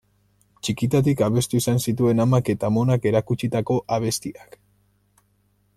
Txikitatik abestu izan zituen amak eta amonak erakutsitako abestiak.